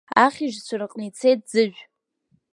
Ахьыжьқәа рҟны ицеит Ӡыжә.